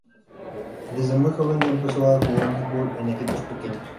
Desde muy joven ya empezó a jugar a fútbol en equipos pequeños.